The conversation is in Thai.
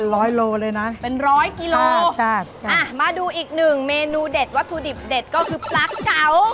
ร้อยโลเลยนะเป็นร้อยกิโลจ้ะอ่ะมาดูอีกหนึ่งเมนูเด็ดวัตถุดิบเด็ดก็คือปลาเก๋า